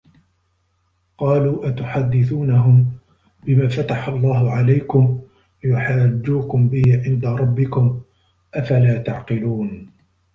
قَالُوا أَتُحَدِّثُونَهُمْ بِمَا فَتَحَ اللَّهُ عَلَيْكُمْ لِيُحَاجُّوكُمْ بِهِ عِنْدَ رَبِّكُمْ ۚ أَفَلَا تَعْقِلُونَ